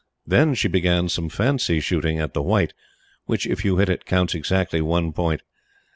Then she began some fancy shooting at the white, which, if you hit it, counts exactly one point.